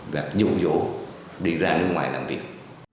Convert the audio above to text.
và nhụn nhỗ đi ra nước ngoài làm việc